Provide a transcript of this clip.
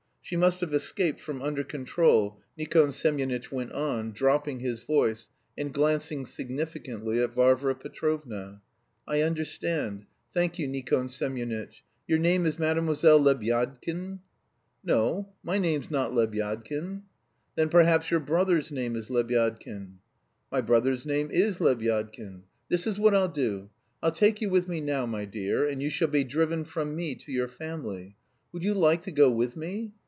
She must have escaped from under control," Nikon Semyonitch went on, dropping his voice, and glancing significantly at Varvara Petrovna. "I understand. Thank you, Nikon Semyonitch. Your name is Mlle. Lebyadkin?" "No, my name's not Lebyadkin." "Then perhaps your brother's name is Lebyadkin?" "My brother's name is Lebyadkin." "This is what I'll do, I'll take you with me now, my dear, and you shall be driven from me to your family. Would you like to go with me?"